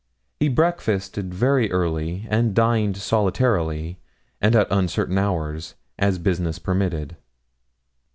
He breakfasted very early, and dined solitarily, and at uncertain hours, as business permitted.